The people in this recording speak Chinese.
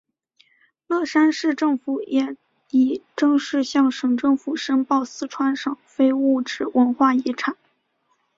乐山市政府也已正式向省政府申报四川省非物质文化遗产。